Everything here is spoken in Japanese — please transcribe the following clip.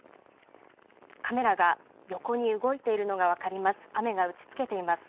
カメラが横に動いているのが分かります。